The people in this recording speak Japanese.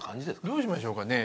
どうしましょうかね。